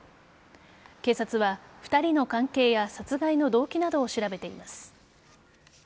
警察は２人の関係や殺害の動機などを調べています。